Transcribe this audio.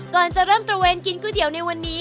ก่อนจะเริ่มตระเวนกินก๋วยเตี๋ยวในวันนี้